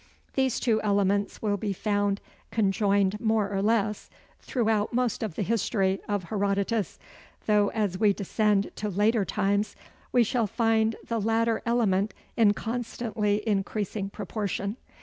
These two elements will be found conjoined more or less throughout most of the history of Herodotus, though as we descend to later times, we shall find the latter element in constantly increasing proportion.